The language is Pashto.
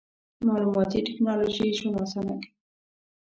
مالوماتي ټکنالوژي ژوند اسانه کوي.